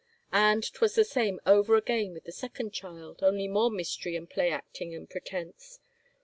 .,. And 'twas the same over again with the second child, only more mystery and play acting and pretense.